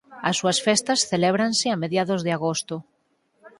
As súas festas celébranse a mediados de agosto.